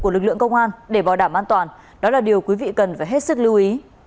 của lực lượng công an để bảo đảm an toàn đó là điều quý vị cần phải hết sức lưu ý